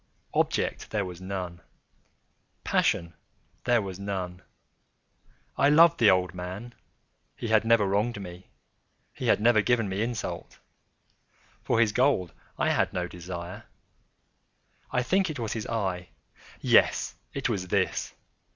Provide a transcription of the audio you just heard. Object there was none. Passion there was none. I loved the old man. He had never wronged me. He had never given me insult. For his gold I had no desire. I think it was his eye! yes, it was this!